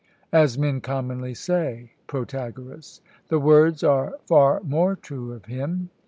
as men commonly say (Protagoras): the words are far more true of Him.